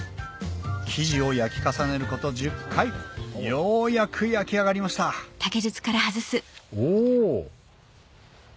生地を焼き重ねること１０回ようやく焼き上がりましたお！